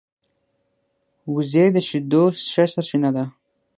وزې د شیدو ښه سرچینه ده